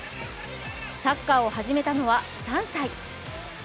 サッカーを始めたのは３歳。